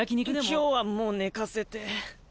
今日はもう寝かせて。